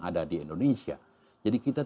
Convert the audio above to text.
ada di indonesia jadi kita